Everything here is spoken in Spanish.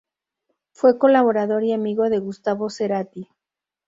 Fue colaborador y amigo de Gustavo Cerati.